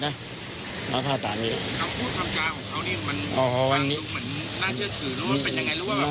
คำพูดความจราของเขานี่มันความรู้สึกเหมือนน่าเชื่อถือรู้มันเป็นยังไงรู้ว่า